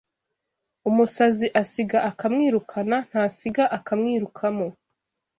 Umusazi asiga akamwirukana, ntasiga akamwirukamo